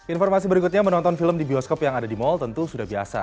informasi berikutnya menonton film di bioskop yang ada di mal tentu sudah biasa